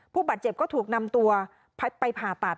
ผู้บาดเจ็บก็ถูกนำตัวไปผ่าตัด